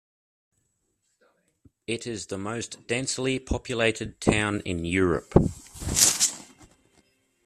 It is the most densely populated town in Europe.